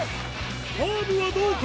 カーブはどうか？